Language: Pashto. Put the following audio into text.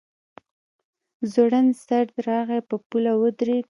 ځوړند سر راغی په پوله ودرېد.